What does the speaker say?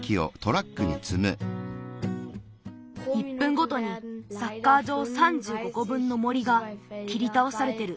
１ぷんごとにサッカーじょう３５こぶんの森がきりたおされてる。